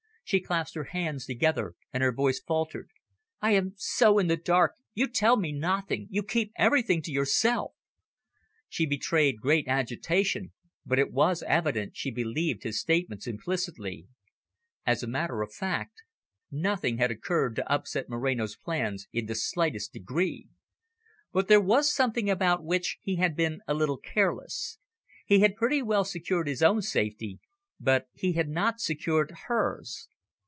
She clasped her hands together and her voice faltered. "I am so in the dark, you tell me nothing, you keep everything to yourself." She betrayed great agitation, but it was evident she believed his statements implicitly. As a matter of fact, nothing had occurred to upset Moreno's plans in the slightest degree. But there was something about which he had been a little careless. He had pretty well secured his own safety, but he had not secured hers.